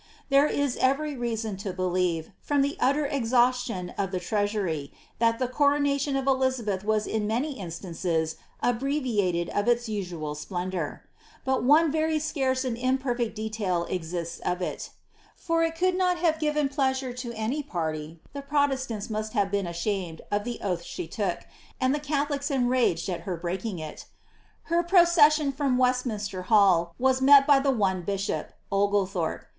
There is e?ery reason to believe, from the utter exhaustion of the treasury, that the coronation of Elizabeth was in many instances abbreviated of its niual splendour. But one very scarce and imperfect detail exists of it :* hi it could not have given pleasure to any party — the protestants must hiTc been ashamed of the oath she took, and the catholics enraged at her breaking it. Her procession from Westminster Ilall was met by the one bishop, Oglethorpe.